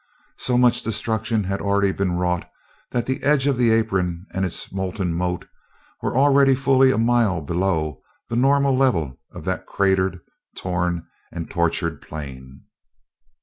So much destruction had already been wrought that the edge of the apron and its molten moat were already fully a mile below the normal level of that cratered, torn, and tortured plain.